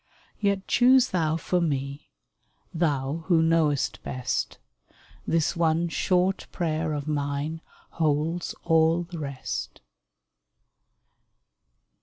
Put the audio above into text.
Yet choose Thou for me — Thou Who knowest best ; This one short prayer of mine Holds all the rest